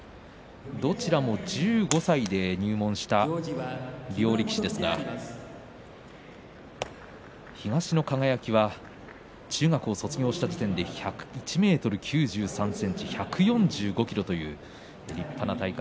どちらも１５歳で入門した両力士ですが東の輝は中学を卒業した時点で１ｍ９３ｃｍ、１４５ｋｇという立派な体格。